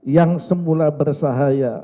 yang semula bersahaya